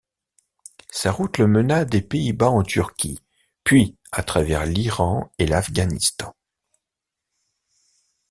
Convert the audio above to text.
Sa route le mena des Pays-Bas en Turquie, puis à travers l'Iran et l'Afghanistan.